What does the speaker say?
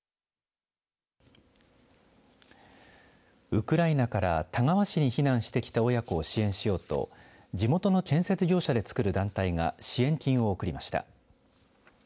ウクライナから田川市に避難してきた親子を支援しようと地元の建設業者でつくる団体が支援金を贈りました。